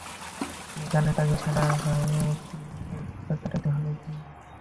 কে জানে তাকে সারা রােতই এভাবে কাটাতে হবে কি-না।